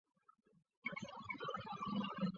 卡瓦隆伊什是葡萄牙布拉加区的一个堂区。